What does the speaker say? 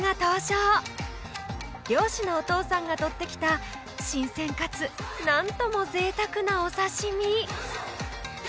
漁師のお父さんがとってきた新鮮かつ何とも贅沢なお刺し身！